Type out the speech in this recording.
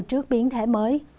trước biến thể mới